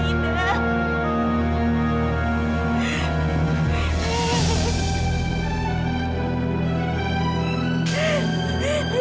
ibu jangan tinggal ina